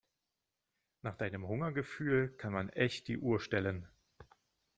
Nach deinem Hungergefühl kann man echt die Uhr stellen.